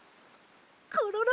コロロ！